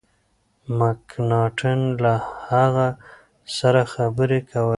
مکناټن له هغه سره خبري کولې.